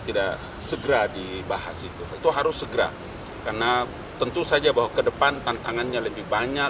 tidak segera dibahas itu itu harus segera karena tentu saja bahwa kedepan tantangannya lebih banyak